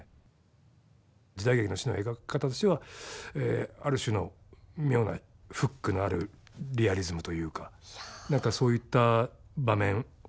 時代劇の死の描き方としてはある種の妙なフックのあるリアリズムというか何かそういった場面をみんなで作れた。